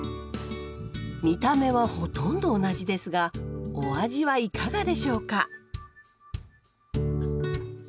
見た目はほとんど同じですがお味はいかがでしょうか。